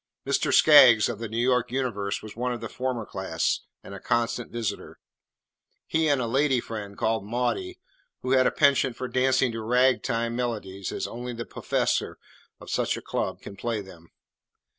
Mr. Skaggs, of the New York Universe, was one of the former class and a constant visitor, he and a "lady friend" called "Maudie," who had a penchant for dancing to "Rag time" melodies as only the "puffessor" of such a club can play them.